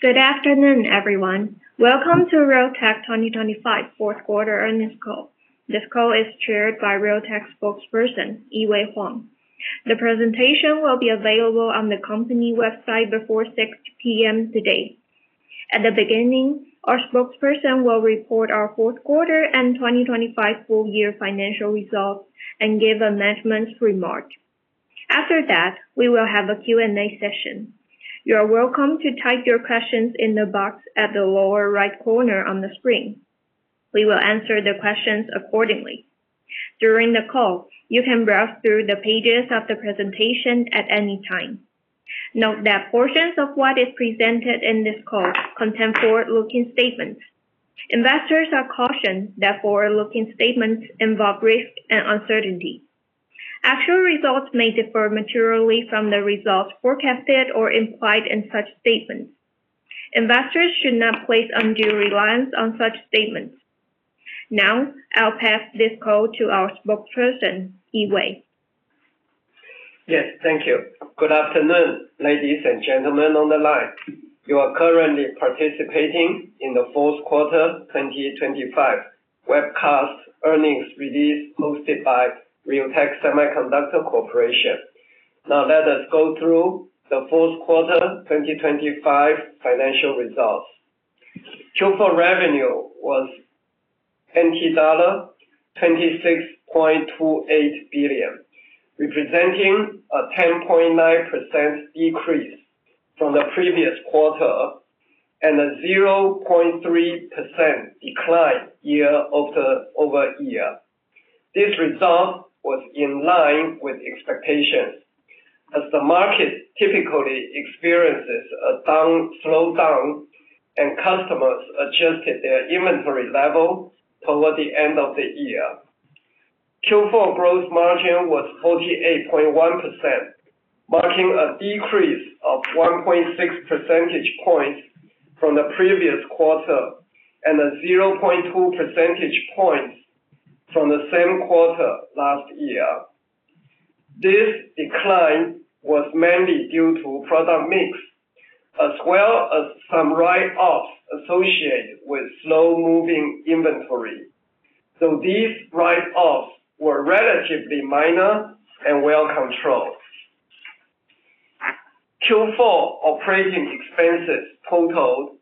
Good afternoon, everyone. Welcome to Realtek 2025 Fourth Quarter Earnings Call. This call is chaired by Realtek Spokesperson, Yee-Wei Huang. The presentation will be available on the company website before 6:00 P.M. today. At the beginning, our spokesperson will report our fourth quarter and 2025 full year financial results and give a management's remark. After that, we will have a Q&A session. You are welcome to type your questions in the box at the lower right corner on the screen. We will answer the questions accordingly. During the call, you can browse through the pages of the presentation at any time. Note that portions of what is presented in this call contain forward-looking statements. Investors are cautioned that forward-looking statements involve risk and uncertainty. Actual results may differ materially from the results forecasted or implied in such statements. Investors should not place undue reliance on such statements. Now, I'll pass this call to our spokesperson, Yee-Wei. Yes, thank you. Good afternoon, ladies and gentlemen on the line. You are currently participating in the Fourth Quarter 2025 webcast earnings release hosted by Realtek Semiconductor Corporation. Now, let us go through the Fourth Quarter 2025 financial results. Q4 revenue was NT$26.28 billion, representing a 10.9% decrease from the previous quarter and a 0.3% decline year over year. This result was in line with expectations as the market typically experiences a slowdown, and customers adjusted their inventory level toward the end of the year. Q4 gross margin was 48.1%, marking a decrease of 1.6 percentage points from the previous quarter and a 0.2 percentage points from the same quarter last year. This decline was mainly due to product mix as well as some write-offs associated with slow-moving inventory. Though these write-offs were relatively minor and well controlled, Q4 operating expenses totaled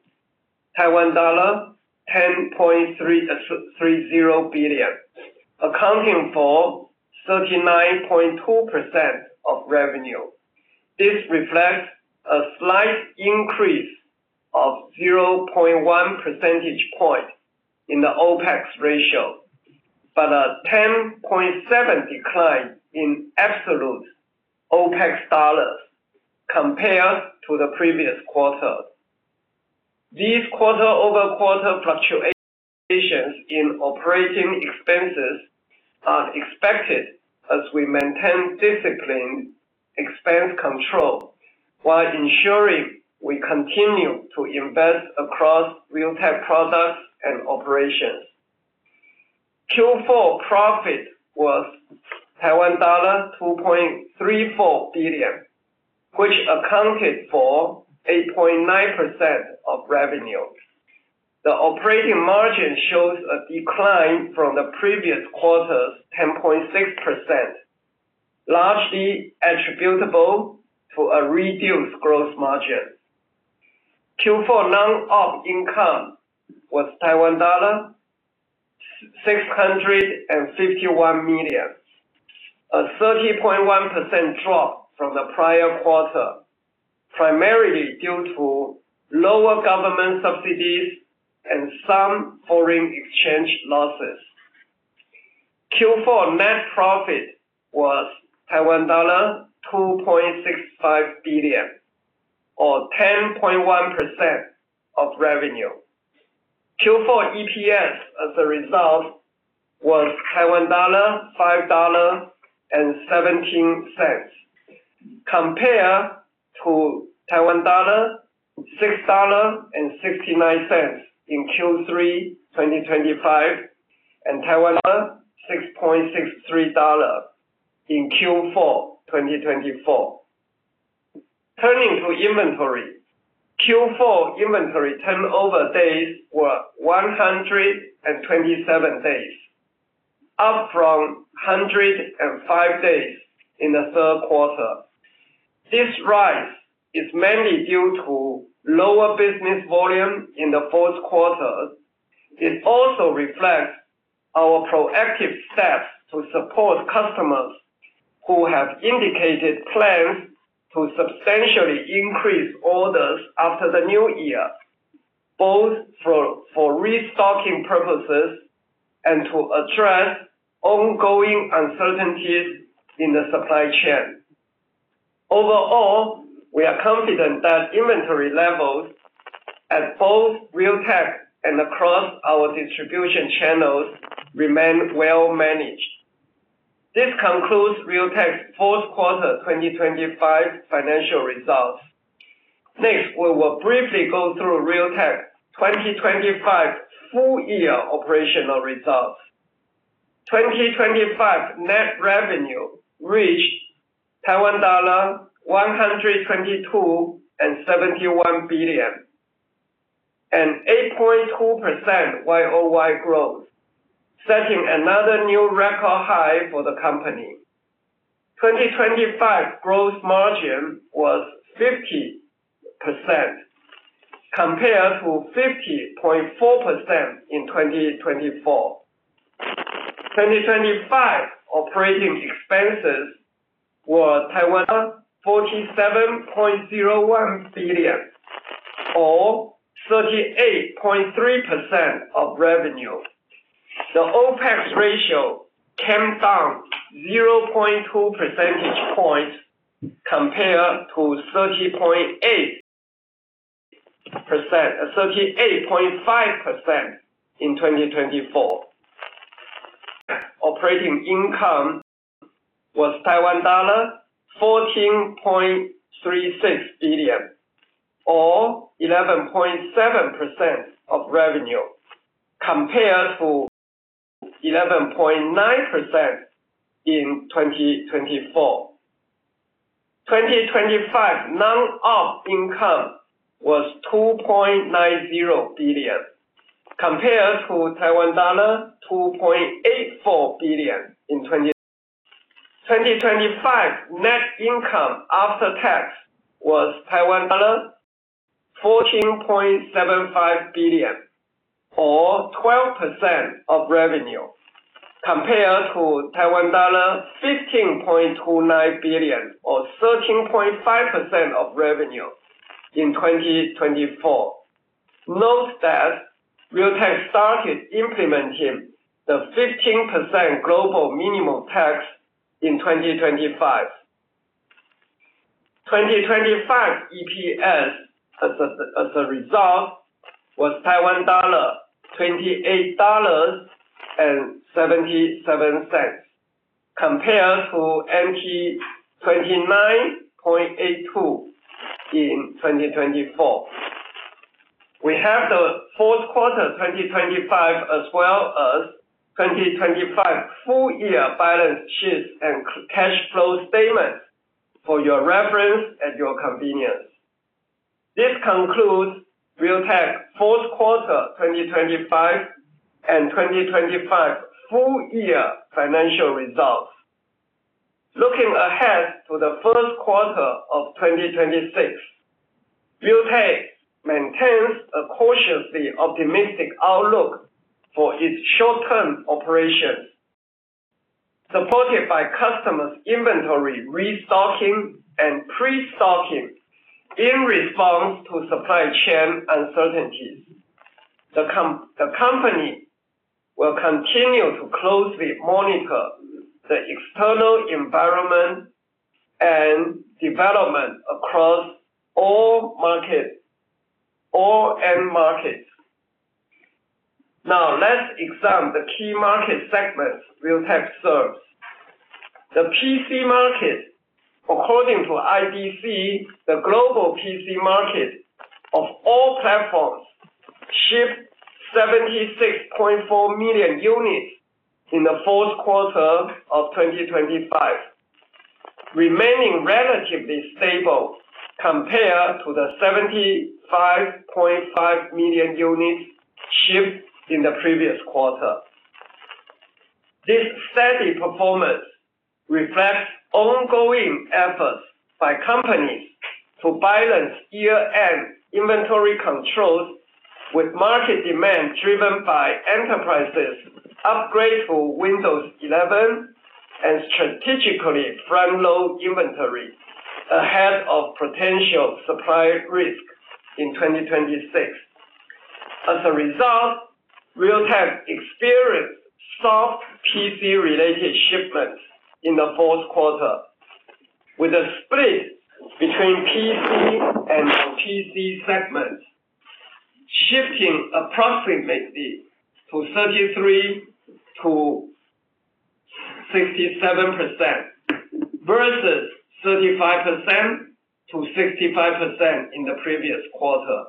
NT$ 10.330 billion, accounting for 39.2% of revenue. This reflects a slight increase of 0.1 percentage point in the OpEx ratio but a 10.7% decline in absolute OpEx dollars compared to the previous quarter. These quarter-over-quarter fluctuations in operating expenses are expected as we maintain disciplined expense control while ensuring we continue to invest across Realtek products and operations. Q4 profit was NT$ 2.34 billion, which accounted for 8.9% of revenue. The operating margin shows a decline from the previous quarter's 10.6%, largely attributable to a reduced gross margin. Q4 non-op income was NT$ 651 million, a 30.1% drop from the prior quarter, primarily due to lower government subsidies and some foreign exchange losses. Q4 net profit was NT$ 2.65 billion, or 10.1% of revenue. Q4 EPS as a result was NT$5.17, compared to NT$6.69 in Q3 2025 and NT$6.63 in Q4 2024. Turning to inventory, Q4 inventory turnover days were 127 days, up from 105 days in the third quarter. This rise is mainly due to lower business volume in the fourth quarter. It also reflects our proactive steps to support customers who have indicated plans to substantially increase orders after the new year, both for restocking purposes and to address ongoing uncertainties in the supply chain. Overall, we are confident that inventory levels at both Realtek and across our distribution channels remain well managed. This concludes Realtek's Fourth Quarter 2025 financial results. Next, we will briefly go through Realtek's 2025 full year operational results. 2025 net revenue reached NT$ 122.71 billion, an 8.2% year-over-year growth, setting another new record high for the company. 2025 gross margin was 50%, compared to 50.4% in 2024. 2025 operating expenses were NT$ 47.01 billion, or 38.3% of revenue. The OpEx ratio came down 0.2 percentage points compared to 38.5% in 2024. Operating income was NT$ 14.36 billion, or 11.7% of revenue, compared to 11.9% in 2024. 2025 non-op income was NT$ 2.90 billion, compared to NT$ 2.84 billion. 2025 net income after tax was NT$ 14.75 billion, or 12% of revenue, compared to NT$ 15.29 billion, or 13.5% of revenue in 2024. Note that Realtek started implementing the 15% global minimum tax in 2025. 2025 EPS as a result was NT$ 28.77, compared to NT$ 29.82 in 2024. We have the Fourth Quarter 2025 as well as 2025 full year balance sheets and cash flow statements for your reference at your convenience. This concludes Realtek's fourth quarter 2025 and 2025 full year financial results. Looking ahead to the first quarter of 2026, Realtek maintains a cautiously optimistic outlook for its short-term operations, supported by customers' inventory restocking and pre-stocking in response to supply chain uncertainties. The company will continue to closely monitor the external environment and development across all markets. Now, let's examine the key market segments Realtek serves. The PC market, according to IDC, the global PC market of all platforms, shipped 76.4 million units in the fourth quarter of 2025, remaining relatively stable compared to the 75.5 million units shipped in the previous quarter. This steady performance reflects ongoing efforts by companies to balance year-end inventory controls with market demand driven by enterprises' upgrade to Windows 11 and strategically front-load inventory ahead of potential supply risk in 2026. As a result, Realtek experienced soft PC-related shipments in the fourth quarter, with a split between PC and non-PC segments, shifting approximately to 33%-67% versus 35%-65% in the previous quarter.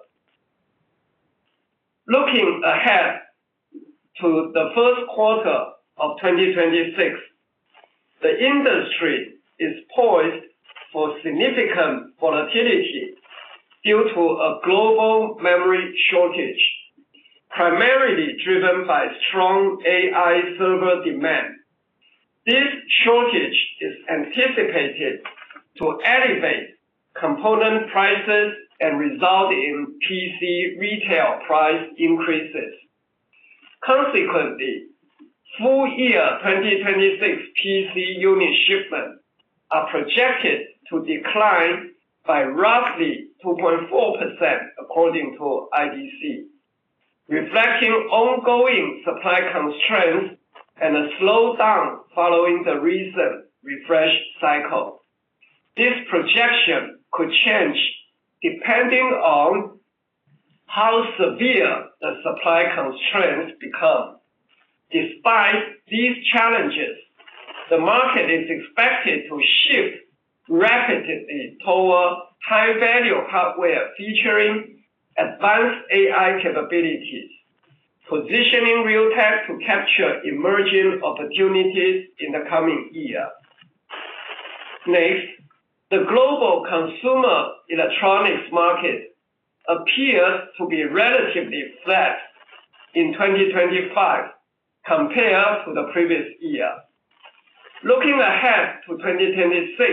Looking ahead to the first quarter of 2026, the industry is poised for significant volatility due to a global memory shortage, primarily driven by strong AI server demand. This shortage is anticipated to elevate component prices and result in PC retail price increases. Consequently, full year 2026 PC unit shipments are projected to decline by roughly 2.4%, according to IDC, reflecting ongoing supply constraints and a slowdown following the recent refresh cycle. This projection could change depending on how severe the supply constraints become. Despite these challenges, the market is expected to shift rapidly toward high-value hardware featuring advanced AI capabilities, positioning Realtek to capture emerging opportunities in the coming year. Next, the global consumer electronics market appears to be relatively flat in 2025 compared to the previous year. Looking ahead to 2026,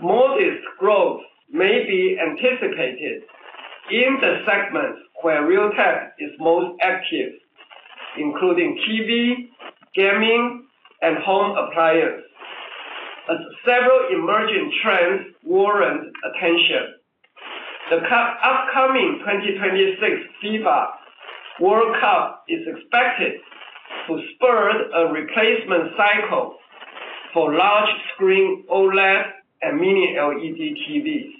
modest growth may be anticipated in the segments where Realtek is most active, including TV, gaming, and home appliances, as several emerging trends warrant attention. The upcoming 2026 FIFA World Cup is expected to spur a replacement cycle for large-screen OLED and mini-LED TVs.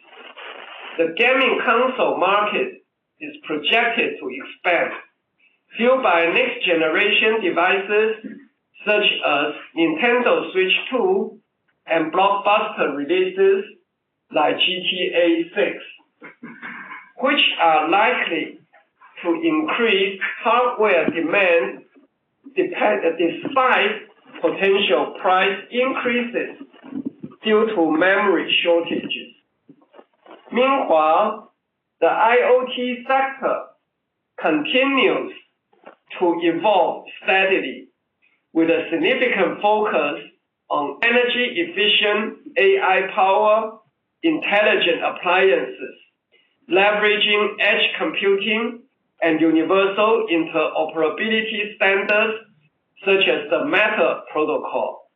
The gaming console market is projected to expand, fueled by next-generation devices such as Nintendo Switch 2 and blockbuster releases like GTA 6, which are likely to increase hardware demand despite potential price increases due to memory shortages. Meanwhile, the IoT sector continues to evolve steadily, with a significant focus on energy-efficient AI-powered intelligent appliances, leveraging edge computing and universal interoperability standards such as the Matter protocol.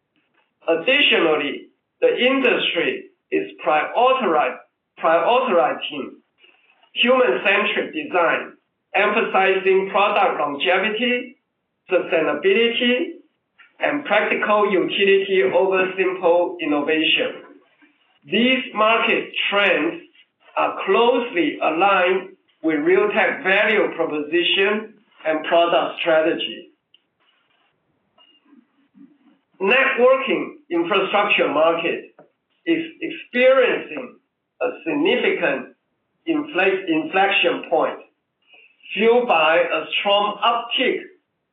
Additionally, the industry is prioritizing human-centric design, emphasizing product longevity, sustainability, and practical utility over simple innovation. These market trends are closely aligned with Realtek's value proposition and product strategy. Networking infrastructure market is experiencing a significant inflection point, fueled by a strong uptick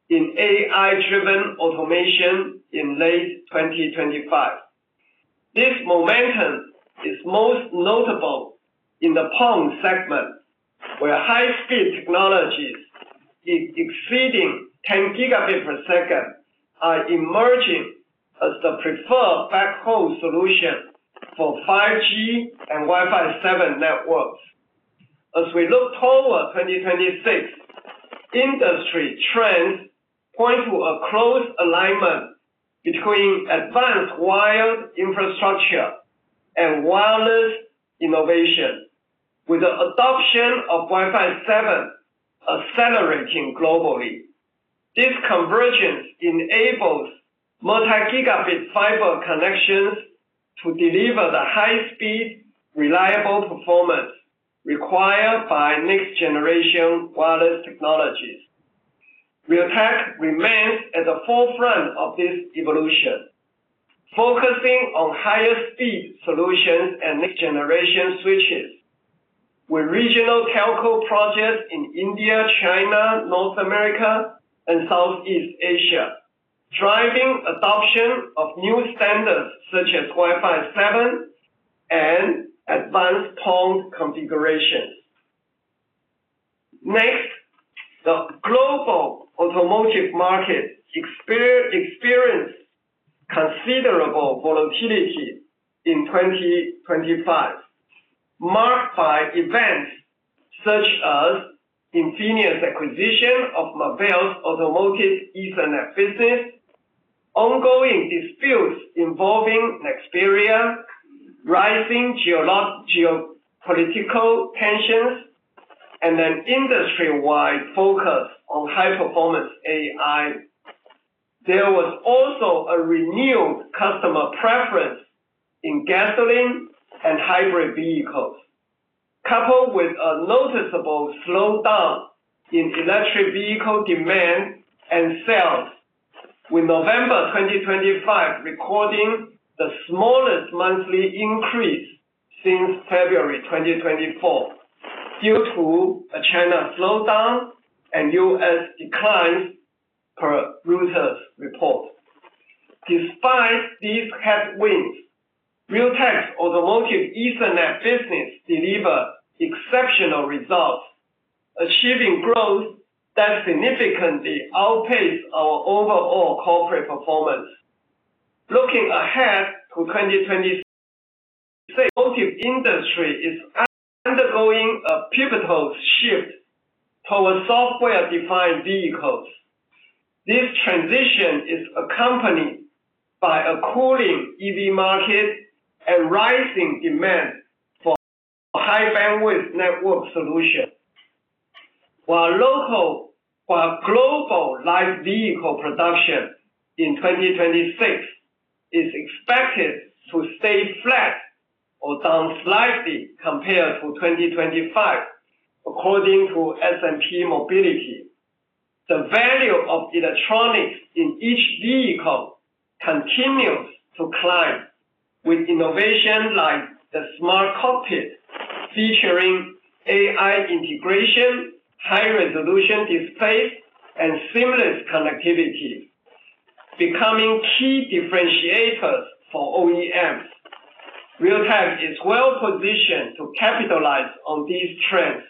in AI-driven automation in late 2025. This momentum is most notable in the GPON segment, where high-speed technologies exceeding 10 Gbps are emerging as the preferred backhaul solution for 5G and Wi-Fi 7 networks. As we look toward 2026, industry trends point to a close alignment between advanced wired infrastructure and wireless innovation, with the adoption of Wi-Fi 7 accelerating globally. This convergence enables multi-gigabit fiber connections to deliver the high-speed, reliable performance required by next-generation wireless technologies. Realtek remains at the forefront of this evolution, focusing on higher-speed solutions and next-generation switches, with regional telco projects in India, China, North America, and Southeast Asia, driving adoption of new standards such as Wi-Fi 7 and advanced GPON configurations. Next, the global automotive market experiences considerable volatility in 2025, marked by events such as Infineon's acquisition of Marvell's automotive Ethernet business, ongoing disputes involving Nexperia, rising geopolitical tensions, and an industry-wide focus on high-performance AI. There was also a renewed customer preference in gasoline and hybrid vehicles, coupled with a noticeable slowdown in electric vehicle demand and sales, with November 2025 recording the smallest monthly increase since February 2024 due to a China slowdown and U.S. declines, per Reuters' report. Despite these headwinds, Realtek's automotive Ethernet business delivers exceptional results, achieving growth that significantly outpaces our overall corporate performance. Looking ahead to 2026, the automotive industry is undergoing a pivotal shift toward software-defined vehicles. This transition is accompanied by a cooling EV market and rising demand for high-bandwidth network solutions, while global light vehicle production in 2026 is expected to stay flat or down slightly compared to 2025, according to S&P Mobility. The value of electronics in each vehicle continues to climb, with innovations like the smart cockpit featuring AI integration, high-resolution displays, and seamless connectivity becoming key differentiators for OEMs. Realtek is well-positioned to capitalize on these trends,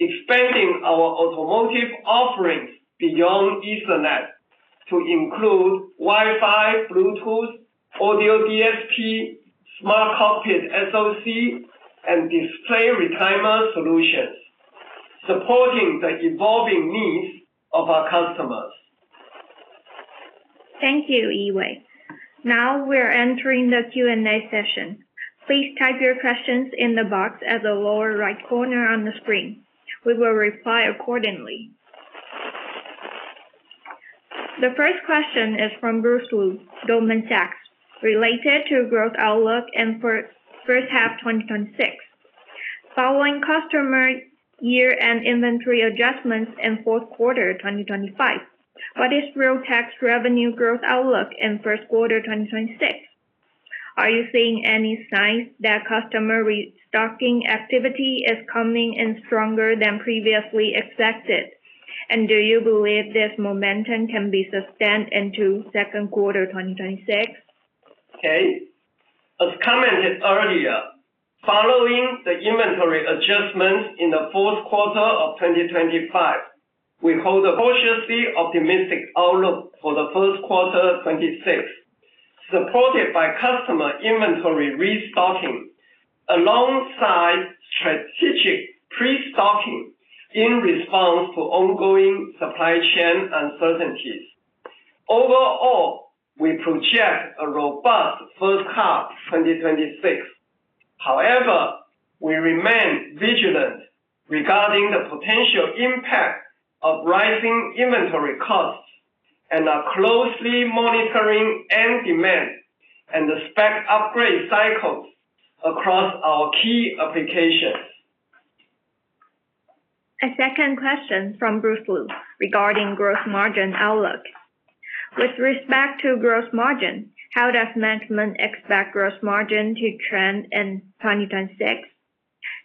expanding our automotive offerings beyond Ethernet to include Wi-Fi, Bluetooth, audio DSP, smart cockpit SoC, and display retimer solutions, supporting the evolving needs of our customers. Thank you, Yee-Wei. Now we're entering the Q&A session. Please type your questions in the box at the lower right corner on the screen. We will reply accordingly. The first question is from Bruce Lu, Goldman Sachs, related to growth outlook and first half 2026. Following customer year-end inventory adjustments in fourth quarter 2025, what is Realtek's revenue growth outlook in first quarter 2026? Are you seeing any signs that customer restocking activity is coming in stronger than previously expected? And do you believe this momentum can be sustained into second quarter 2026? Okay. As commented earlier, following the inventory adjustments in the fourth quarter of 2025, we hold a cautiously optimistic outlook for the first quarter 2026, supported by customer inventory restocking alongside strategic pre-stocking in response to ongoing supply chain uncertainties. Overall, we project a robust first half 2026. However, we remain vigilant regarding the potential impact of rising inventory costs and are closely monitoring end demand and the spec upgrade cycles across our key applications. A second question from Bruce Lu regarding gross margin outlook. With respect to gross margin, how does management expect gross margin to trend in 2026?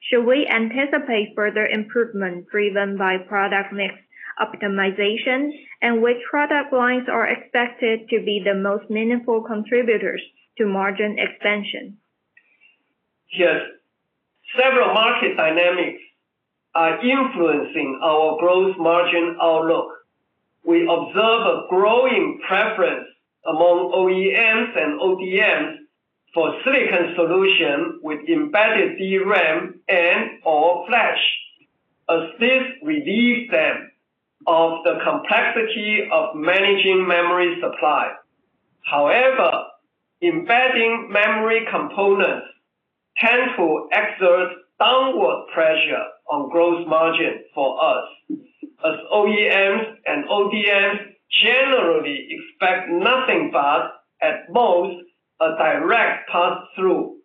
Should we anticipate further improvement driven by product mix optimization, and which product lines are expected to be the most meaningful contributors to margin expansion? Yes. Several market dynamics are influencing our gross margin outlook. We observe a growing preference among OEMs and ODMs for silicon solutions with embedded DRAM and/or flash, as this relieves them of the complexity of managing memory supply. However, embedding memory components tends to exert downward pressure on gross margin for us, as OEMs and ODMs generally expect nothing but, at most, a direct pass-through.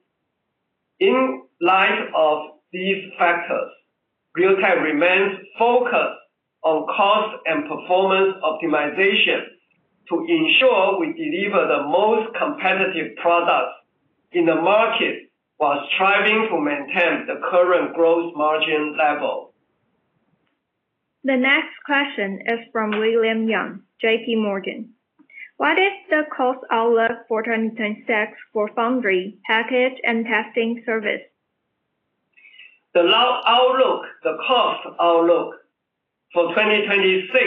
In light of these factors, Realtek remains focused on cost and performance optimization to ensure we deliver the most competitive products in the market while striving to maintain the current gross margin level. The next question is from William Yang, JPMorgan. What is the cost outlook for 2026 for foundry package and testing service? The outlook, the cost outlook for 2026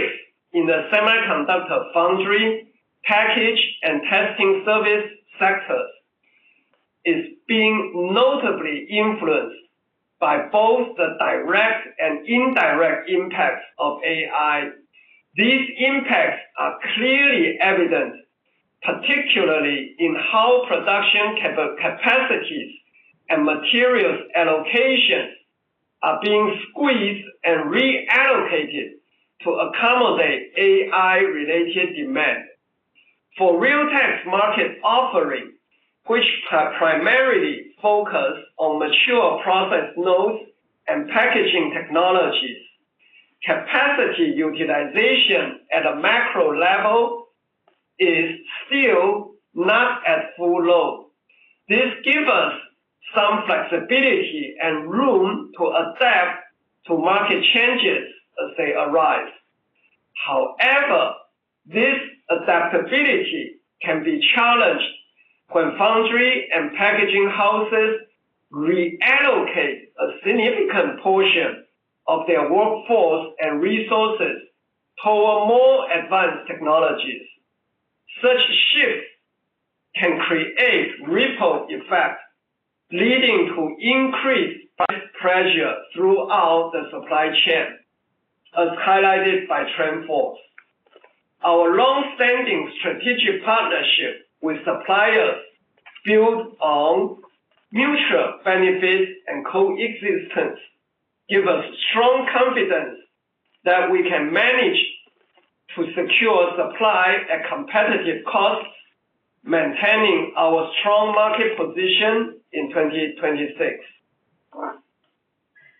in the semiconductor foundry package and testing service sectors is being notably influenced by both the direct and indirect impacts of AI. These impacts are clearly evident, particularly in how production capacities and materials allocations are being squeezed and reallocated to accommodate AI-related demand. For Realtek's market offering, which primarily focuses on mature process nodes and packaging technologies, capacity utilization at a macro level is still not at full load. This gives us some flexibility and room to adapt to market changes as they arise. However, this adaptability can be challenged when foundry and packaging houses reallocate a significant portion of their workforce and resources toward more advanced technologies. Such shifts can create a ripple effect, leading to increased price pressure throughout the supply chain, as highlighted by TrendForce. Our long-standing strategic partnership with suppliers, built on mutual benefits and coexistence, gives us strong confidence that we can manage to secure supply at competitive costs, maintaining our strong market position in 2026.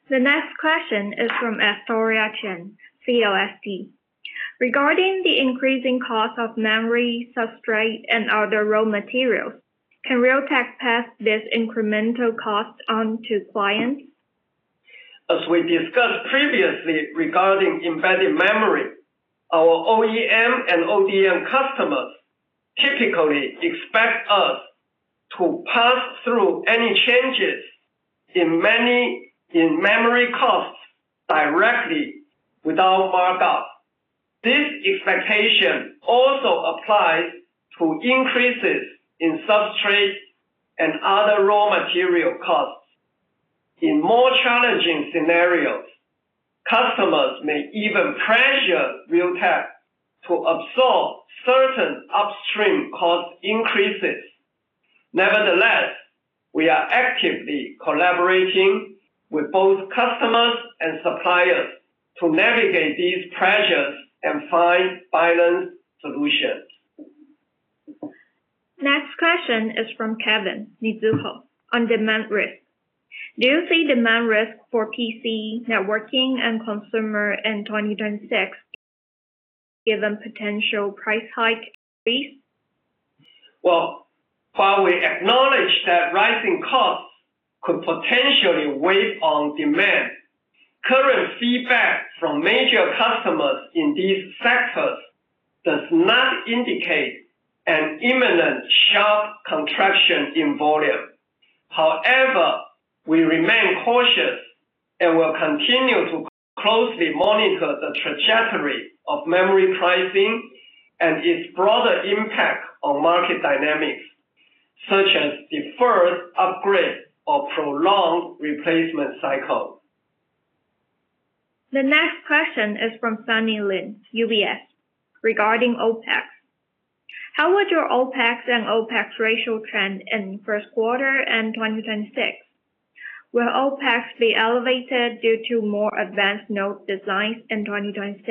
The next question is from Astoria Chen, CLSA. Regarding the increasing cost of memory, substrate, and other raw materials, can Realtek pass this incremental cost on to clients? As we discussed previously regarding embedded memory, our OEM and ODM customers typically expect us to pass through any changes in memory costs directly without markup. This expectation also applies to increases in substrate and other raw material costs. In more challenging scenarios, customers may even pressure Realtek to absorb certain upstream cost increases. Nevertheless, we are actively collaborating with both customers and suppliers to navigate these pressures and find balanced solutions. Next question is from Kevin Wang, Mizuho on demand risk. Do you see demand risk for PC networking and consumer in 2026 given potential price hike increase? Well, while we acknowledge that rising costs could potentially weigh on demand, current feedback from major customers in these sectors does not indicate an imminent sharp contraction in volume. However, we remain cautious and will continue to closely monitor the trajectory of memory pricing and its broader impact on market dynamics, such as deferred upgrade or prolonged replacement cycles. The next question is from Sunny Lin, UBS, regarding OpEx. How would your OpEx and OpEx ratio trend in first quarter and 2026? Will OpEx be elevated due to more advanced node designs in 2026?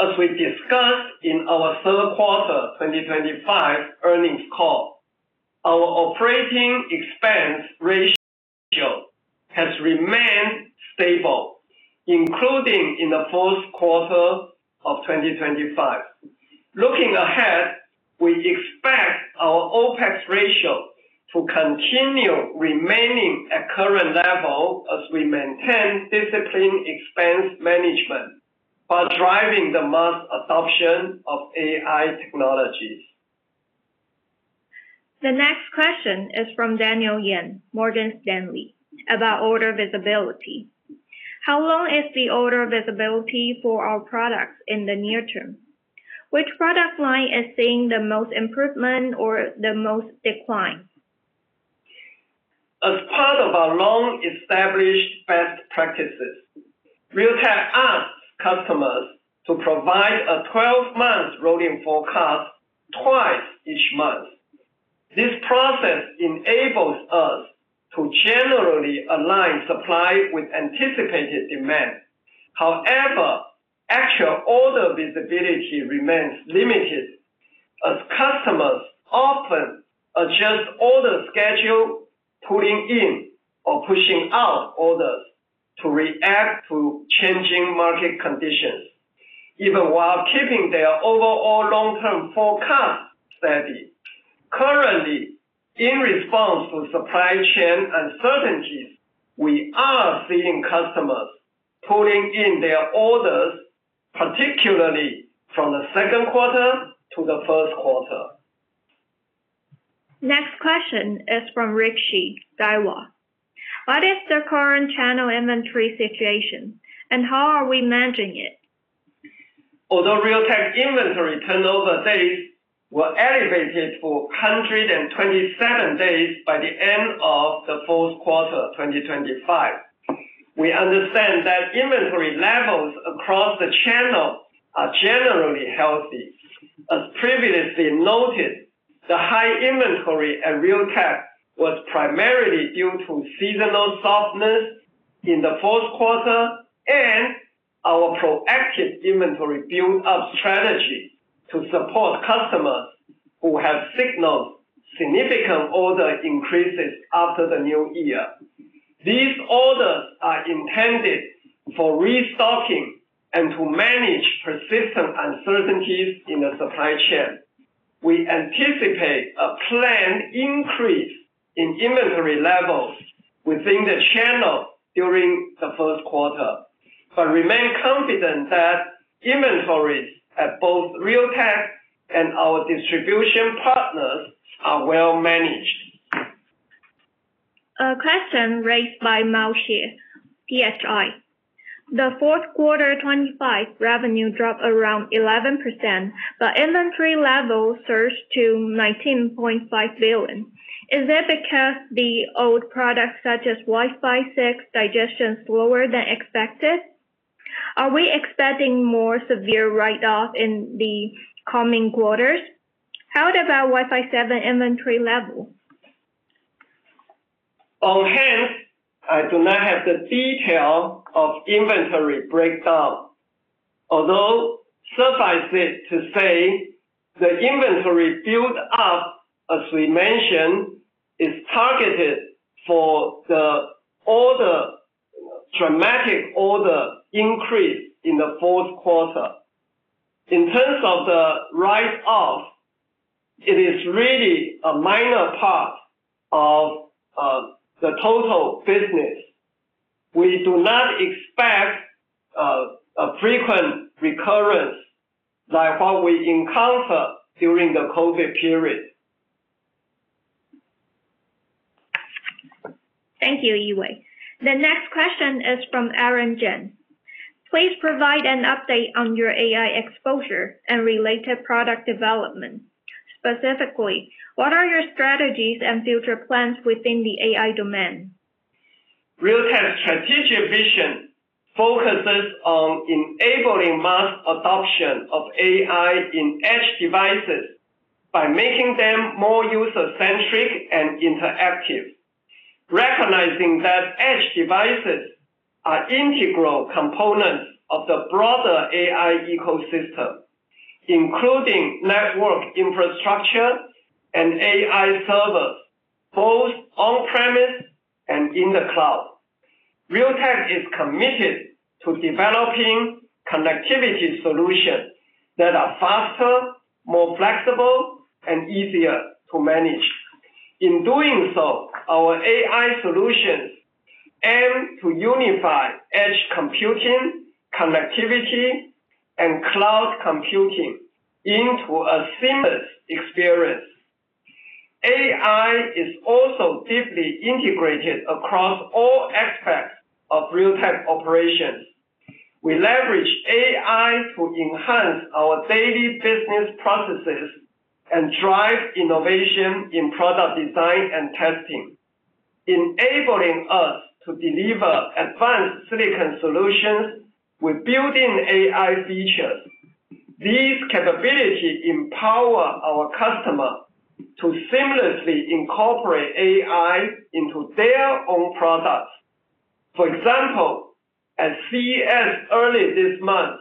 As we discussed in our third quarter 2025 earnings call, our operating expense ratio has remained stable, including in the fourth quarter of 2025. Looking ahead, we expect our OpEx ratio to continue remaining at current level as we maintain disciplined expense management while driving the mass adoption of AI technologies. The next question is from Daniel Yen, Morgan Stanley, about order visibility. How long is the order visibility for our products in the near term? Which product line is seeing the most improvement or the most decline? As part of our long-established best practices, Realtek asks customers to provide a 12-month rolling forecast twice each month. This process enables us to generally align supply with anticipated demand. However, actual order visibility remains limited as customers often adjust order schedule, pulling in or pushing out orders to react to changing market conditions, even while keeping their overall long-term forecast steady. Currently, in response to supply chain uncertainties, we are seeing customers pulling in their orders, particularly from the second quarter to the first quarter. Next question is from Rick Hsu, Daiwa. What is the current channel inventory situation, and how are we managing it? Although Realtek inventory turnover days were elevated for 127 days by the end of the fourth quarter 2025, we understand that inventory levels across the channel are generally healthy. As previously noted, the high inventory at Realtek was primarily due to seasonal softness in the fourth quarter and our proactive inventory build-up strategy to support customers who have signaled significant order increases after the new year. These orders are intended for restocking and to manage persistent uncertainties in the supply chain. We anticipate a planned increase in inventory levels within the channel during the first quarter, but remain confident that inventories at both Realtek and our distribution partners are well managed. A question raised by Mao-Si, DHI. The fourth quarter 2025 revenue dropped around 11%, but inventory levels surged to NT$19.5 billion. Is it because the old products such as Wi-Fi 6 digested slower than expected? Are we expecting more severe write-offs in the coming quarters? How about Wi-Fi 7 inventory level? On hand, I do not have the detail of inventory breakdown. Although suffice it to say, the inventory build-up, as we mentioned, is targeted for the dramatic order increase in the fourth quarter. In terms of the write-offs, it is really a minor part of the total business. We do not expect a frequent recurrence like what we encountered during the COVID period. Thank you, Yee-Wei. The next question is from Aaron Jeng. Please provide an update on your AI exposure and related product development. Specifically, what are your strategies and future plans within the AI domain? Realtek's strategic vision focuses on enabling mass adoption of AI in edge devices by making them more user-centric and interactive, recognizing that edge devices are integral components of the broader AI ecosystem, including network infrastructure and AI servers, both on-premise and in the cloud. Realtek is committed to developing connectivity solutions that are faster, more flexible, and easier to manage. In doing so, our AI solutions aim to unify edge computing, connectivity, and cloud computing into a seamless experience. AI is also deeply integrated across all aspects of Realtek operations. We leverage AI to enhance our daily business processes and drive innovation in product design and testing, enabling us to deliver advanced silicon solutions with built-in AI features. These capabilities empower our customers to seamlessly incorporate AI into their own products. For example, at CES early this month,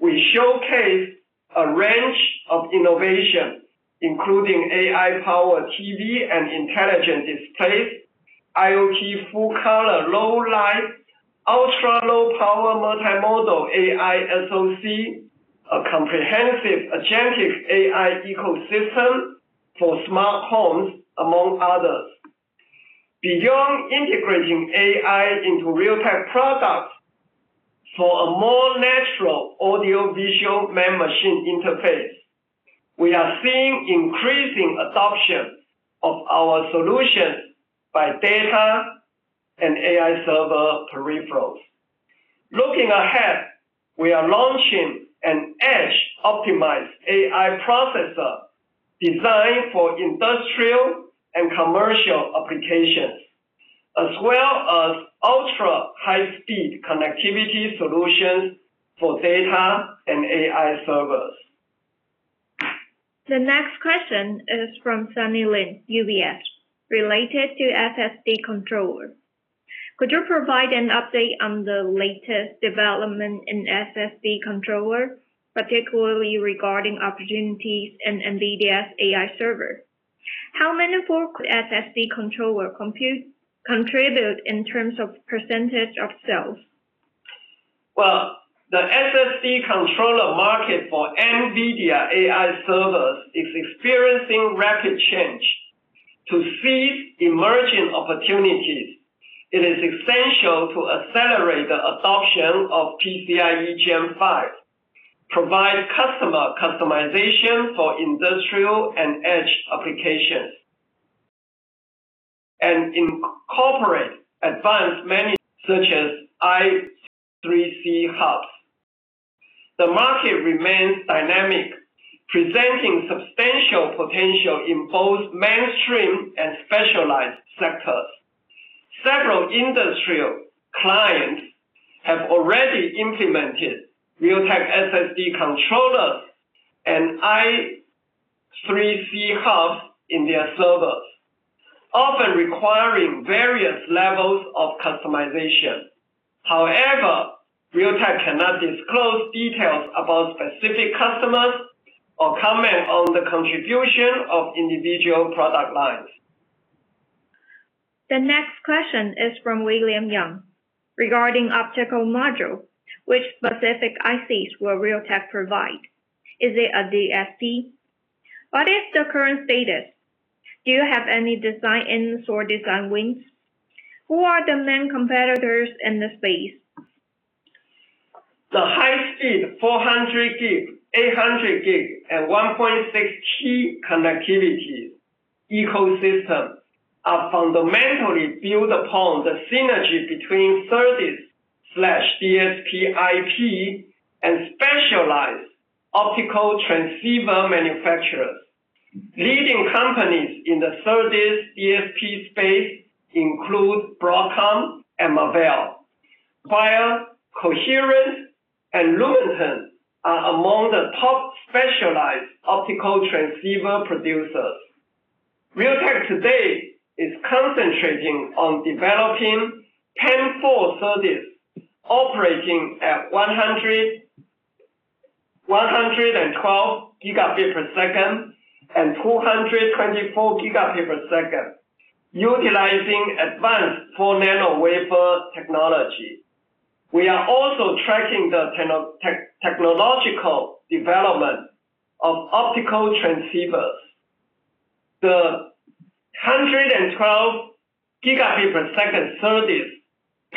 we showcased a range of innovations, including AI-powered TV and intelligent displays, IoT full-color low light, ultra-low-power multi-modal AI SoC, a comprehensive agentic AI ecosystem for smart homes, among others. Beyond integrating AI into Realtek products for a more natural audio-visual man-machine interface, we are seeing increasing adoption of our solutions by data and AI server peripherals. Looking ahead, we are launching an edge-optimized AI processor designed for industrial and commercial applications, as well as ultra-high-speed connectivity solutions for data and AI servers. The next question is from Sunny Lin, UBS, related to SSD controllers. Could you provide an update on the latest development in SSD controllers, particularly regarding opportunities in NVIDIA's AI servers? How many SSD controllers contribute in terms of percentage of sales? Well, the SSD controller market for NVIDIA AI servers is experiencing rapid change. To seize emerging opportunities, it is essential to accelerate the adoption of PCIe Gen 5, provide customer customization for industrial and edge applications, and incorporate advanced such as I3C hubs. The market remains dynamic, presenting substantial potential in both mainstream and specialized sectors. Several industrial clients have already implemented Realtek SSD controllers and I3C hubs in their servers, often requiring various levels of customization. However, Realtek cannot disclose details about specific customers or comment on the contribution of individual product lines. The next question is from William Yang, regarding optical modules. Which specific ICs will Realtek provide? Is it a DSP? What is the current status? Do you have any design-ins or design wins? Who are the main competitors in the space? The high-speed 400G, 800G, and 1.6T connectivity ecosystem are fundamentally built upon the synergy between SerDes/DSP IP and specialized optical transceiver manufacturers. Leading companies in the SerDes/DSP space include Broadcom and Marvell. Credo, Coherent, and Lumentum are among the top specialized optical transceiver producers. Realtek today is concentrating on developing IP core SerDes operating at 112 gb per second and 224 gb per second, utilizing advanced 4-nanometer technology. We are also tracking the technological development of optical transceivers. The 112 gb per second SerDes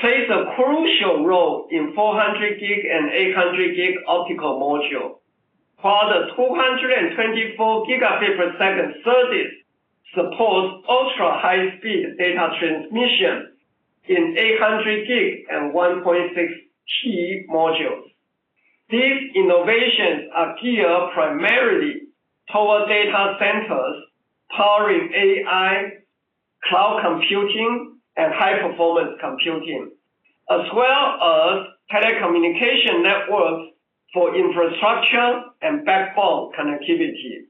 plays a crucial role in 400 gig and 800 gig optical modules, while the 224 gb per second SerDes supports ultra-high-speed data transmission in 800 gig and 1.6T modules. These innovations are geared primarily toward data centers powering AI, cloud computing, and high-performance computing, as well as telecommunication networks for infrastructure and backbone connectivity.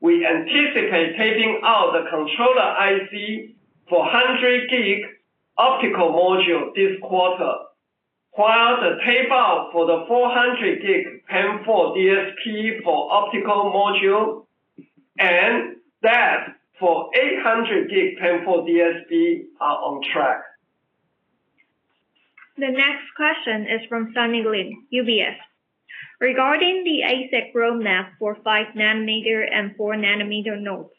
We anticipate taping out the controller IC 400G optical module this quarter, while the tape-out for the 400G PAM4 DSP for optical module and that for 800G PAM4 DSP are on track. The next question is from Sunny Lin, UBS, regarding the ASIC roadmap for 5-nanometer and 4-nanometer nodes.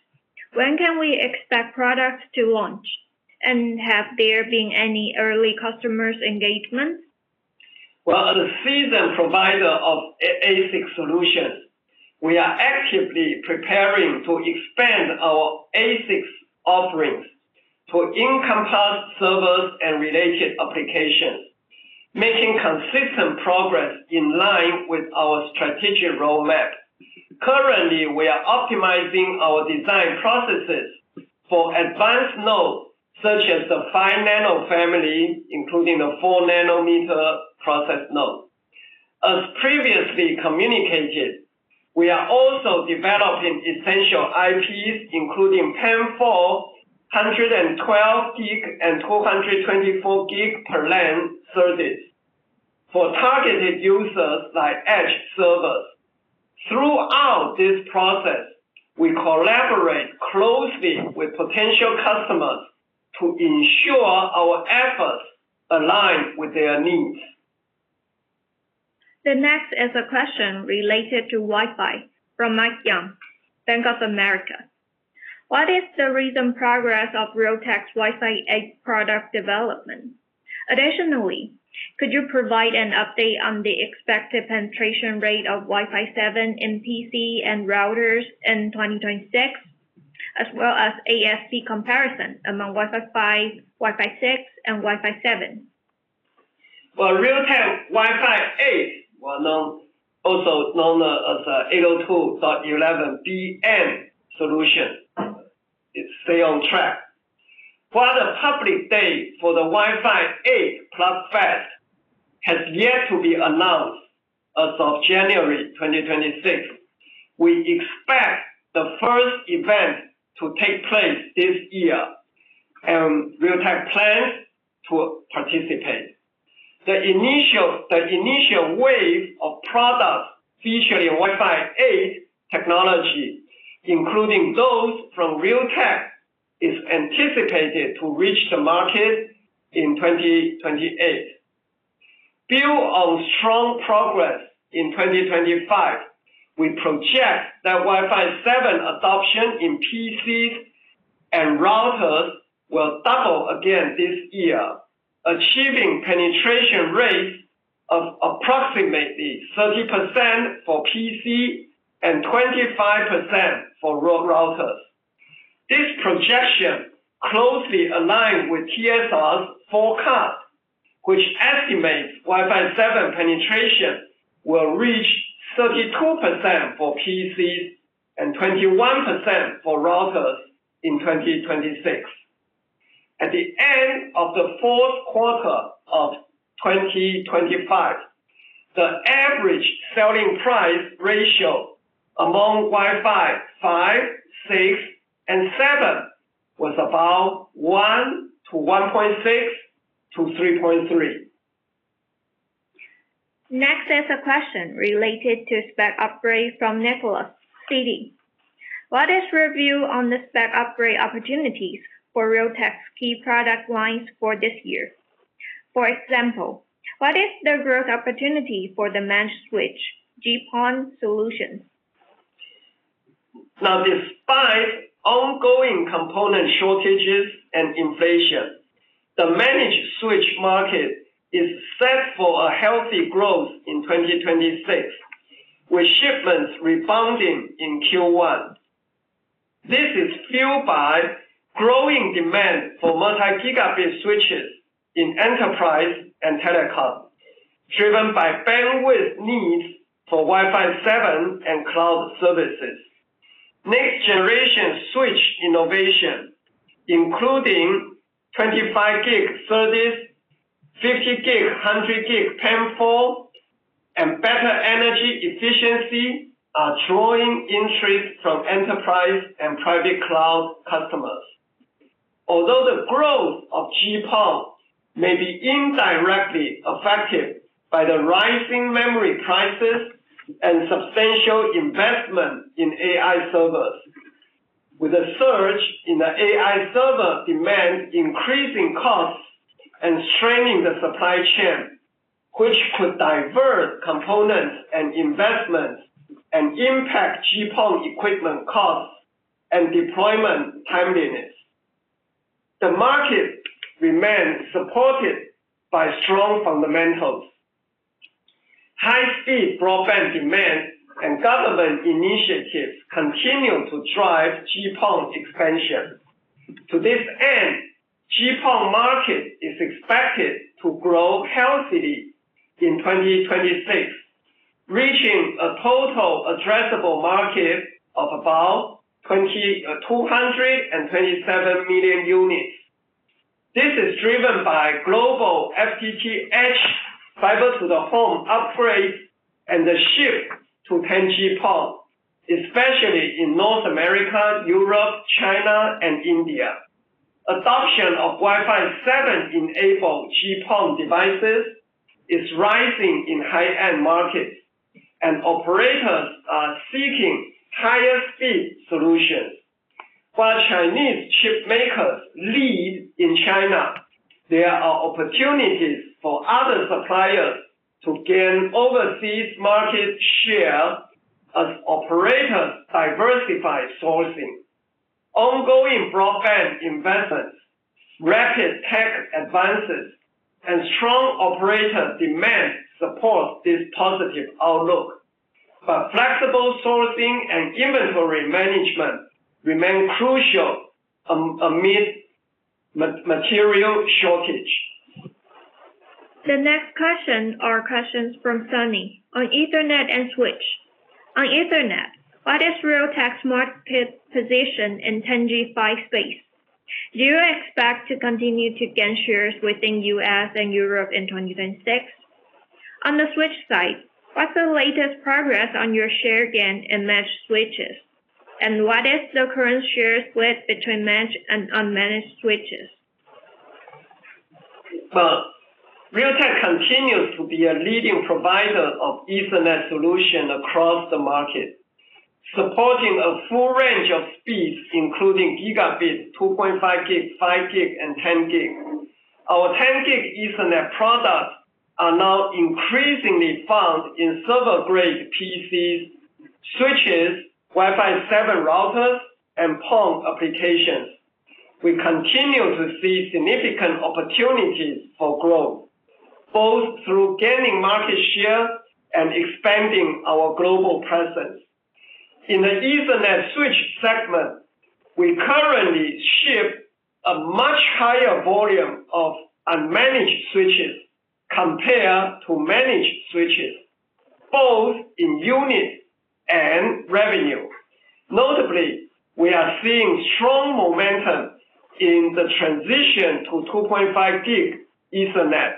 When can we expect products to launch? And have there been any early customer engagements? Well, as a seasoned provider of ASIC solutions, we are actively preparing to expand our ASIC offerings to encompass servers and related applications, making consistent progress in line with our strategic roadmap. Currently, we are optimizing our design processes for advanced nodes such as the 5-nm family, including the 4-nanometer process node. As previously communicated, we are also developing essential IPs, including PAM4 112G and 224G per lane SerDes for targeted users like edge servers. Throughout this process, we collaborate closely with potential customers to ensure our efforts align with their needs. The next is a question related to Wi-Fi from Mike Yang, Bank of America. What is the recent progress of Realtek's Wi-Fi 8 product development? Additionally, could you provide an update on the expected penetration rate of Wi-Fi 7, in PCs, and routers in 2026, as well as ASP comparison among Wi-Fi 5, Wi-Fi 6, and Wi-Fi 7? Well, Realtek Wi-Fi 8, also known as 802.11bn solution, is staying on track. While the public day for the Wi-Fi 8 Plugfest has yet to be announced as of January 2026, we expect the first event to take place this year, and Realtek plans to participate. The initial wave of products featuring Wi-Fi 8 technology, including those from Realtek, is anticipated to reach the market in 2028. Built on strong progress in 2025, we project that Wi-Fi 7 adoption in PCs and routers will double again this year, achieving penetration rates of approximately 30% for PC and 25% for routers. This projection closely aligns with TSR's forecast, which estimates Wi-Fi 7 penetration will reach 32% for PCs and 21% for routers in 2026. At the end of the fourth quarter of 2025, the average selling price ratio among Wi-Fi 5, 6, and 7 was about 1 to 1.6 to 3.3. Next is a question related to spec upgrade from Nicholas, Citi. What is your view on the spec upgrade opportunities for Realtek's key product lines for this year? For example, what is the growth opportunity for the managed switch GPON solutions? Now, despite ongoing component shortages and inflation, the managed switch market is set for a healthy growth in 2026, with shipments rebounding in Q1. This is fueled by growing demand for multi-gigabit switches in enterprise and telecom, driven by bandwidth needs for Wi-Fi 7 and cloud services. Next-generation switch innovation, including 25G SerDes, 50G, 100G PAM4, and better energy efficiency, are drawing interest from enterprise and private cloud customers. Although the growth of GPON may be indirectly affected by the rising memory prices and substantial investment in AI servers, with the surge in the AI server demand increasing costs and straining the supply chain, which could divert components and investments and impact GPON equipment costs and deployment timeliness. The market remains supported by strong fundamentals. High-speed broadband demand and government initiatives continue to drive GPON expansion. To this end, the GPON market is expected to grow healthily in 2026, reaching a total addressable market of about 227 million units. This is driven by global FTTH Fiber-to-the-Home upgrades and the shift to 10G-PON, especially in North America, Europe, China, and India. Adoption of Wi-Fi 7-enabled GPON devices is rising in high-end markets, and operators are seeking higher-speed solutions. While Chinese chip makers lead in China, there are opportunities for other suppliers to gain overseas market share as operators diversify sourcing. Ongoing broadband investments, rapid tech advances, and strong operator demand support this positive outlook, but flexible sourcing and inventory management remain crucial amid material shortage. The next questions are questions from Sunny on Ethernet and switch. On Ethernet, what is Realtek's market position in 10GBASE-T space? Do you expect to continue to gain shares within the U.S. and Europe in 2026? On the switch side, what's the latest progress on your share gain and managed switches? What is the current share split between managed and unmanaged switches? Well, Realtek continues to be a leading provider of Ethernet solutions across the market, supporting a full range of speeds, including gigabit, 2.5 gig, 5 gig, and 10 gig. Our 10-gig Ethernet products are now increasingly found in server-grade PCs, switches, Wi-Fi 7 routers, and PON applications. We continue to see significant opportunities for growth, both through gaining market share and expanding our global presence. In the Ethernet switch segment, we currently ship a much higher volume of unmanaged switches compared to managed switches, both in units and revenue. Notably, we are seeing strong momentum in the transition to 2.5 gig Ethernet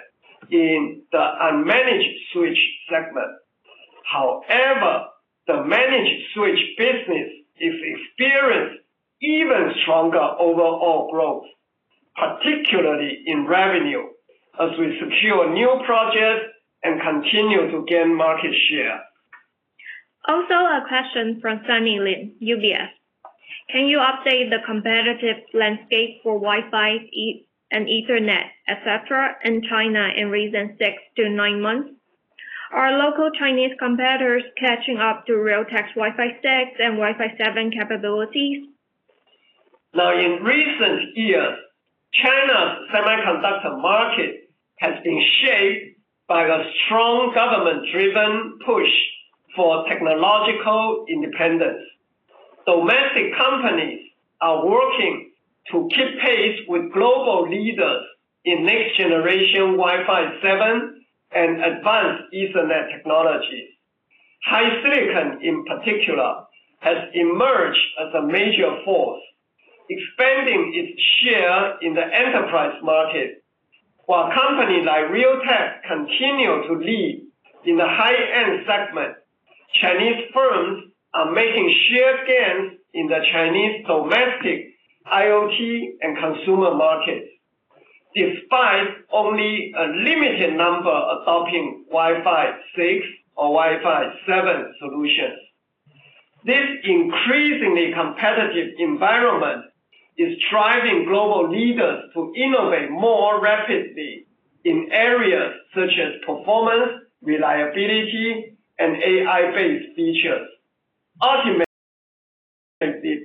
in the unmanaged switch segment. However, the managed switch business is experiencing even stronger overall growth, particularly in revenue, as we secure new projects and continue to gain market share. Also, a question from Sunny Lin, UBS. Can you update the competitive landscape for Wi-Fi and Ethernet, etc., in China in recent 6-9 months? Are local Chinese competitors catching up to Realtek's Wi-Fi 6 and Wi-Fi 7 capabilities? Now, in recent years, China's semiconductor market has been shaped by a strong government-driven push for technological independence. Domestic companies are working to keep pace with global leaders in next-generation Wi-Fi 7 and advanced Ethernet technologies. HiSilicon, in particular, has emerged as a major force, expanding its share in the enterprise market. While companies like Realtek continue to lead in the high-end segment, Chinese firms are making shared gains in the Chinese domestic IoT and consumer markets, despite only a limited number adopting Wi-Fi 6 or Wi-Fi 7 solutions. This increasingly competitive environment is driving global leaders to innovate more rapidly in areas such as performance, reliability, and AI-based features, ultimately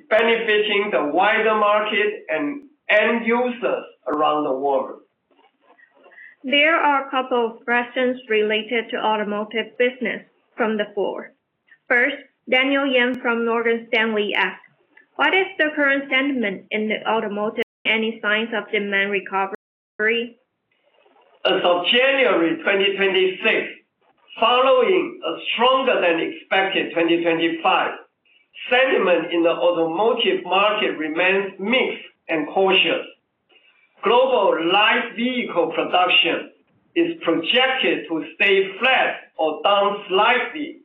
benefiting the wider market and end users around the world. There are a couple of questions related to the automotive business from the floor. First, Daniel Yen from Morgan Stanley asks, what is the current sentiment in the automotive? Any signs of demand recovery? As of January 2026, following a stronger-than-expected 2025, sentiment in the automotive market remains mixed and cautious. Global light vehicle production is projected to stay flat or down slightly,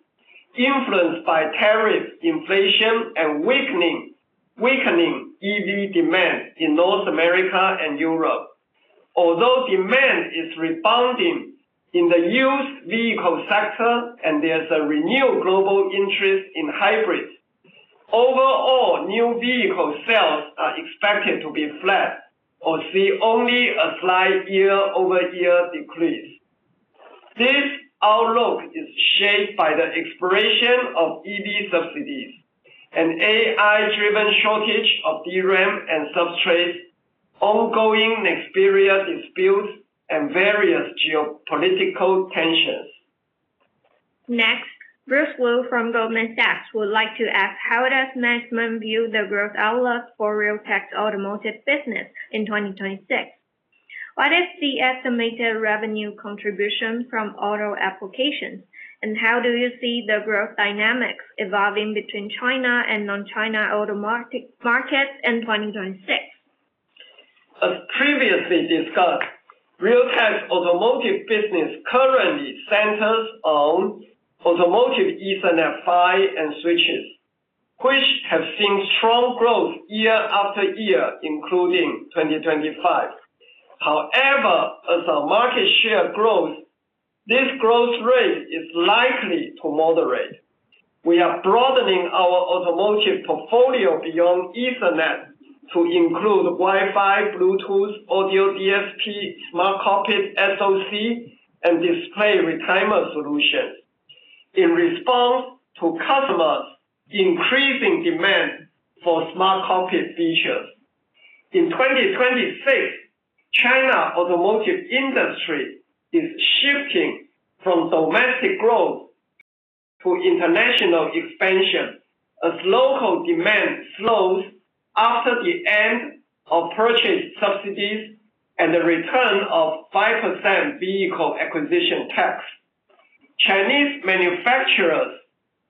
influenced by tariffs, inflation, and weakening EV demand in North America and Europe. Although demand is rebounding in the used vehicle sector and there's a renewed global interest in hybrids, overall new vehicle sales are expected to be flat or see only a slight year-over-year decrease. This outlook is shaped by the expiration of EV subsidies, an AI-driven shortage of DRAM and substrates, ongoing Nexperia disputes, and various geopolitical tensions. Next, Bruce Lu from Goldman Sachs would like to ask, how does management view the growth outlook for Realtek's automotive business in 2026? What is the estimated revenue contribution from auto applications, and how do you see the growth dynamics evolving between China and non-China auto markets in 2026? As previously discussed, Realtek's automotive business currently centers on automotive Ethernet PHYs and switches, which have seen strong growth year after year, including 2025. However, as our market share grows, this growth rate is likely to moderate. We are broadening our automotive portfolio beyond Ethernet to include Wi-Fi, Bluetooth, audio DSP, smart cockpit SoC, and display retimer solutions in response to customers' increasing demand for smart cockpit features. In 2026, China's automotive industry is shifting from domestic growth to international expansion as local demand slows after the end of purchase subsidies and the return of 5% vehicle acquisition tax. Chinese manufacturers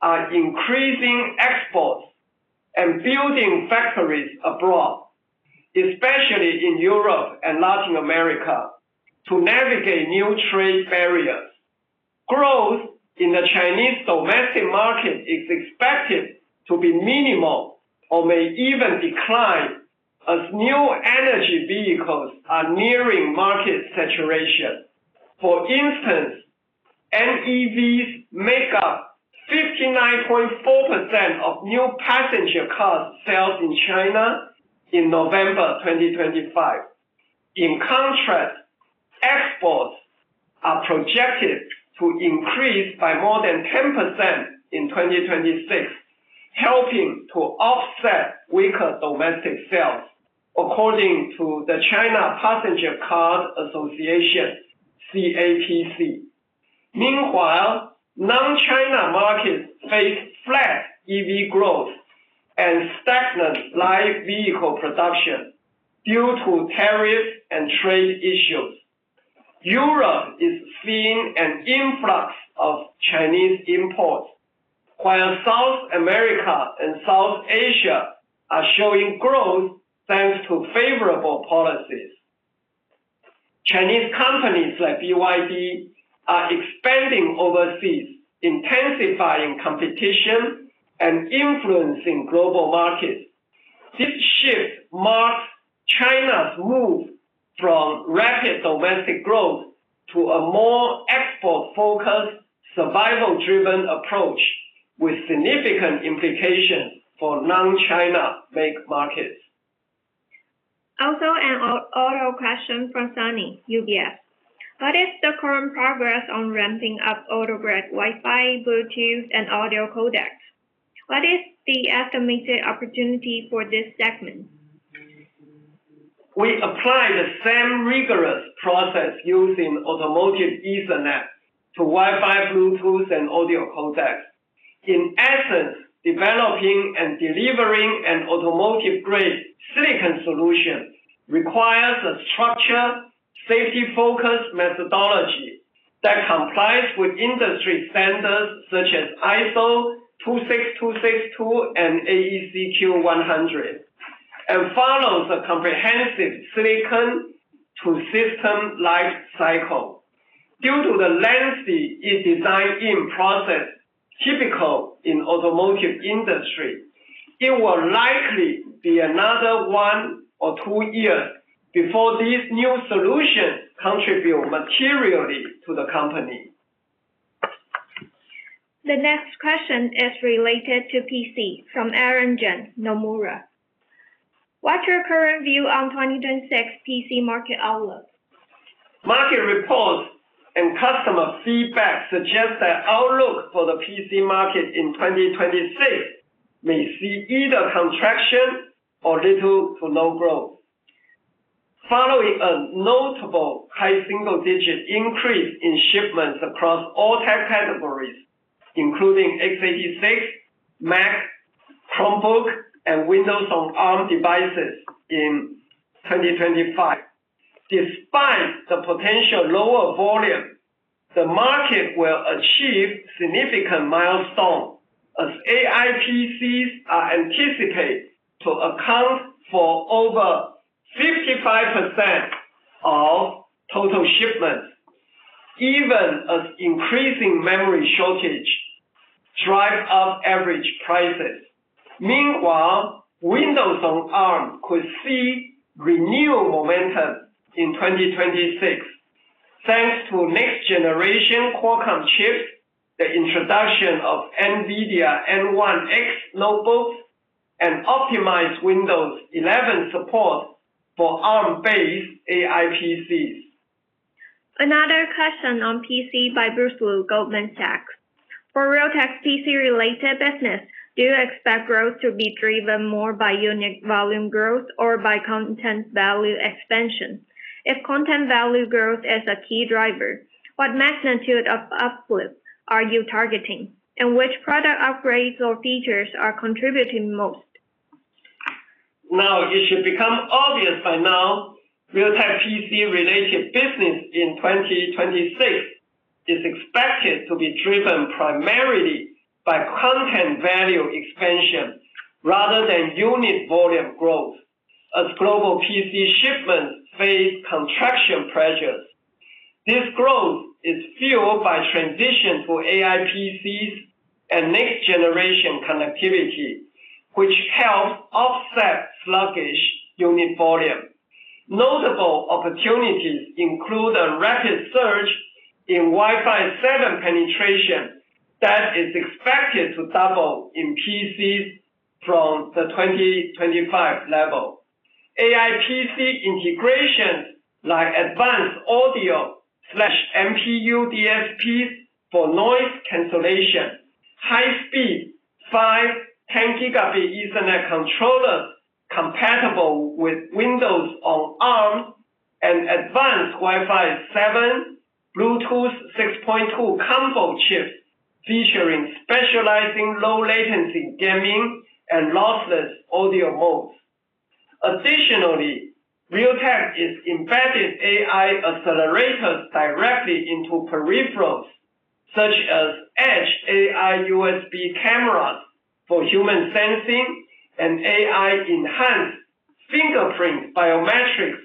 are increasing exports and building factories abroad, especially in Europe and Latin America, to navigate new trade barriers. Growth in the Chinese domestic market is expected to be minimal or may even decline as new energy vehicles are nearing market saturation. For instance, NEVs make up 59.4% of new passenger cars' sales in China in November 2025. In contrast, exports are projected to increase by more than 10% in 2026, helping to offset weaker domestic sales, according to the China Passenger Car Association (CPCA). Meanwhile, non-China markets face flat EV growth and stagnant light vehicle production due to tariffs and trade issues. Europe is seeing an influx of Chinese imports, while South America and South Asia are showing growth thanks to favorable policies. Chinese companies like BYD are expanding overseas, intensifying competition and influencing global markets. This shift marks China's move from rapid domestic growth to a more export-focused, survival-driven approach, with significant implications for non-China markets. Also, an auto question from Sunny, UBS. What is the current progress on ramping up automotive Wi-Fi, Bluetooth, and audio codecs? What is the estimated opportunity for this segment? We apply the same rigorous process used in automotive Ethernet to Wi-Fi, Bluetooth, and audio codecs. In essence, developing and delivering an automotive-grade silicon solution requires a structured, safety-focused methodology that complies with industry standards such as ISO 26262 and AEC-Q100 and follows a comprehensive silicon-to-system life cycle. Due to the lengthy design-in process typical in the automotive industry, it will likely be another 1 or 2 years before these new solutions contribute materially to the company. The next question is related to PC from Aaron Jeng, Nomura. What's your current view on the 2026 PC market outlook? Market reports and customer feedback suggest that the outlook for the PC market in 2026 may see either contraction or little to no growth, following a notable high single-digit increase in shipments across all tech categories, including x86, Mac, Chromebook, and Windows on ARM devices in 2025. Despite the potential lower volume, the market will achieve significant milestones as AI PCs are anticipated to account for over 55% of total shipments, even as increasing memory shortage drives up average prices. Meanwhile, Windows on ARM could see renewed momentum in 2026, thanks to next-generation Qualcomm chips, the introduction of NVIDIA RTX notebooks, and optimized Windows 11 support for ARM-based AI PCs. Another question on PC by Bruce Lu, Goldman Sachs. For Realtek's PC-related business, do you expect growth to be driven more by unit volume growth or by content value expansion? If content value growth is a key driver, what magnitude of uplift are you targeting, and which product upgrades or features are contributing most? Now, it should become obvious by now, Realtek's PC-related business in 2026 is expected to be driven primarily by content value expansion rather than unit volume growth, as global PC shipments face contraction pressures. This growth is fueled by the transition to AI PCs and next-generation connectivity, which helps offset sluggish unit volume. Notable opportunities include a rapid surge in Wi-Fi 7 penetration that is expected to double in PCs from the 2025 level. AI PC integrations like advanced audio/MPU DSPs for noise cancellation, high-speed 5/10 gigabit Ethernet controllers compatible with Windows on ARM, and advanced Wi-Fi 7/Bluetooth 6.2 combo chips featuring specialized low-latency gaming and lossless audio modes. Additionally, Realtek is embedding AI accelerators directly into peripherals such as edge AI USB cameras for human sensing, and AI-enhanced fingerprint biometrics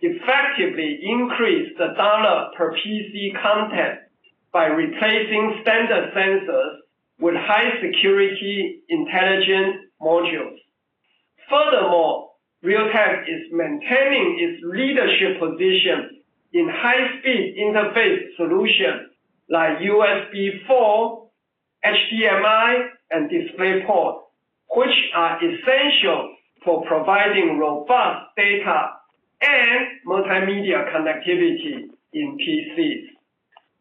effectively increase the dollar-per-PC content by replacing standard sensors with high-security intelligent modules. Furthermore, Realtek is maintaining its leadership position in high-speed interface solutions like USB4, HDMI, and DisplayPort, which are essential for providing robust data and multimedia connectivity in PCs.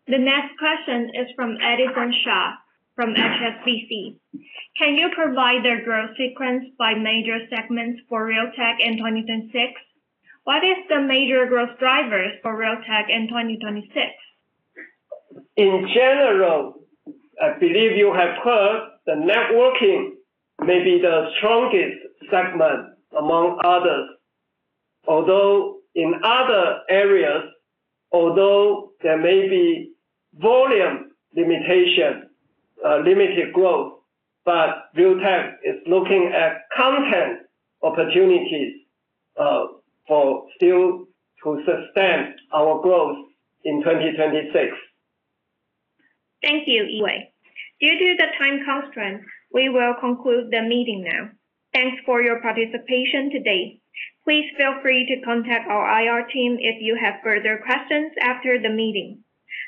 The next question is from Edison Shao from HSBC. Can you provide the growth sequence by major segments for Realtek in 2026? What are the major growth drivers for Realtek in 2026? In general, I believe you have heard that networking may be the strongest segment among others. In other areas, although there may be volume limitation, limited growth, but Realtek is looking at content opportunities for still to sustain our growth in 2026. Thank you, Yee. Due to the time constraints, we will conclude the meeting now. Thanks for your participation today. Please feel free to contact our IR team if you have further questions after the meeting.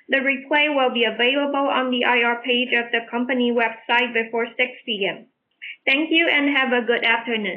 The replay will be available on the IR page of the company website before 6:00 P.M. Thank you, and have a good afternoon.